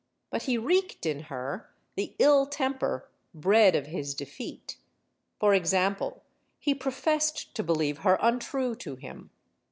But he wreaked in her the ill temper bred of his defeat. For example, he pro fessed to believe her untrue to him.